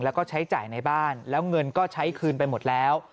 แล้วก็ใช้จ่ายในบ้านแล้วเงินก็ใช้คืนไปหมดแล้ว